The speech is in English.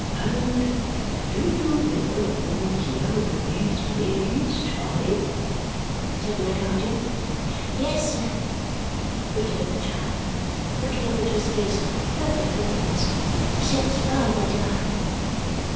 "And do you live alone here with these babies, Charley?" said my guardian. "Yes, sir," returned the child, looking up into his face with perfect confidence, "since father died."